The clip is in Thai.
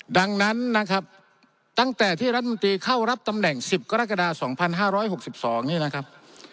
ดังนั้นนะครับตั้งแต่ที่รัฐมนตรีเข้ารับตำแหน่ง๑๐กรกฎา๒๕๖๒นี่นะครับ